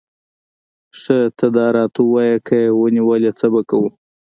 ښه ته داراته ووایه، که یې ونیولې، څه به کوو؟